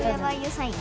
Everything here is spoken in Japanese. サイン。